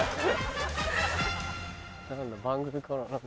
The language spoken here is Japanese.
番組かな？